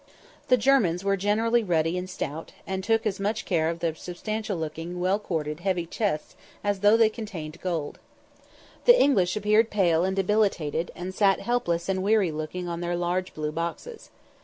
The Germans were generally ruddy and stout, and took as much care of their substantial looking, well corded, heavy chests as though they contained gold. The English appeared pale and debilitated, and sat helpless and weary looking on their large blue boxes.